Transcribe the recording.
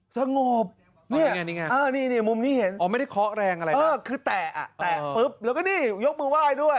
สงบเนี่ยมุมนี้เห็นคือแตะแตะปุ๊บแล้วก็นี่ยกมือไหว้ด้วย